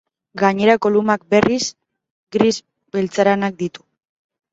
Gainerako lumak, berriz, gris beltzaranak ditu.